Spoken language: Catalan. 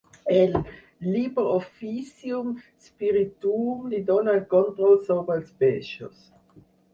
El "Liber Officium Spirituum" li dona el control sobre els peixos.